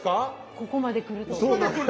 ここまで来るとね。